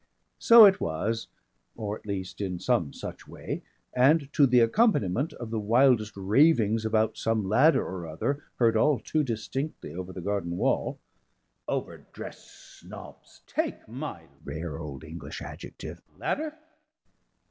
So it was, or at least in some such way, and to the accompaniment of the wildest ravings about some ladder or other heard all too distinctly over the garden wall ("Overdressed Snobbs take my rare old English adjective ladder...!")